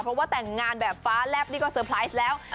เพราะว่าแต่งงานแบบฟ้าแลบนี่ก็เซอร์ไพรส์แล้ว